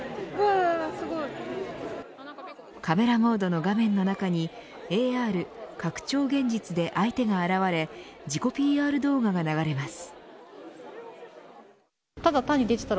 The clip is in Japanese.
カメラモードの画面の中にＡＲ、拡張現実で相手が現れ自己ＰＲ動画が流れます。